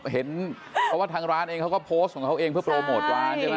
เพราะว่าทางร้านเขาก็โพสต์ของเขาเองเพื่อโปรโมทร้าน